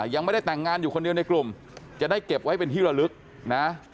ยังไม่ได้แต่งงานอยู่คนเดียวในกลุ่มจะได้เก็บไว้เป็นที่ระลึกนะ